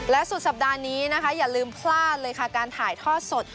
และสุดสัปดาห์นี้นะคะอย่าลืมพลาดเลยค่ะการถ่ายทอดสด